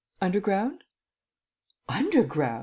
"Underground?" "Underground?"